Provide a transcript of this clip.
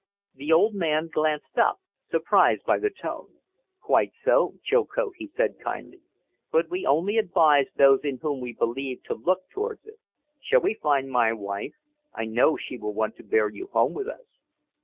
The old man glanced up, surprised by the tone. "Quite so, Chilcote," he said, kindly. "But we only advise those in whom we believe to look towards it. Shall we find my wife? I know she will want to bear you home with us."